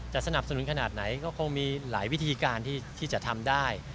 สนับสนุนขนาดไหนก็คงมีหลายวิธีการที่จะทำได้